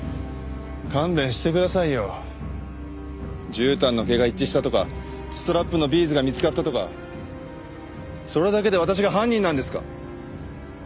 絨毯の毛が一致したとかストラップのビーズが見つかったとかそれだけで私が犯人なんですか？